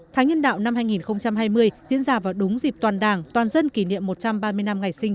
tháng nhân đạo năm hai nghìn hai mươi diễn ra vào đúng dịp toàn đảng toàn dân kỷ niệm một trăm ba mươi năm ngày sinh